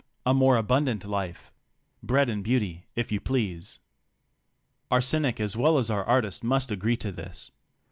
A more abundant life! Bread and beauty, if you please. Our cynic as well as 8 our artist must agree to this.